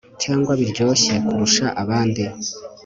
cyangwa biryoshye kurushya abandi